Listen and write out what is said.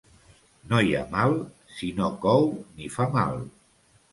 No hi ha mal si no cou ni fa mal.